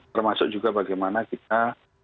termasuk juga bagaimana kita